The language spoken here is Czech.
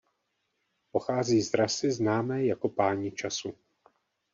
Pochází z rasy známé jako Páni času.